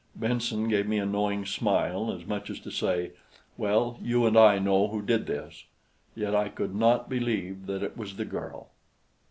Benson gave me a knowing smile, as much as to say: "Well, you and I know who did this." Yet I could not believe that it was the girl.